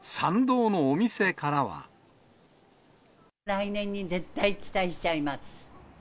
来年に絶対期待しちゃいます。